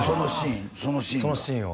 そのシーン？